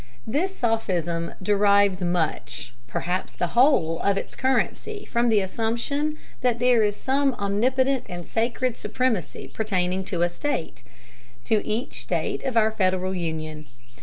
"This sophism derives much, perhaps the whole, of its currency from the assumption that there is some omnipotent and sacred supremacy pertaining to a State to each State of our Federal Union.